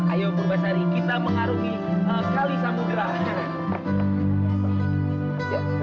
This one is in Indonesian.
ayo purbasari kita mengarungi kali samudera bencana